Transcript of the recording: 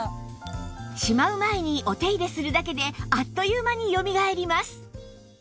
しまう前にお手入れするだけであっという間によみがえります